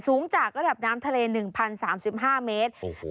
สูงจากระดับน้ำทะเล๑๐๓๕เมตร